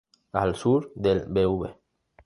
Al sur del Bv.